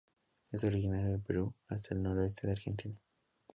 Es originario de Perú hasta el noroeste de Argentina.